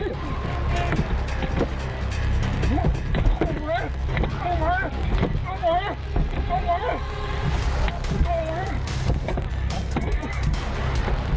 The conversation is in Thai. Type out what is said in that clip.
เอาไหมเอาไหม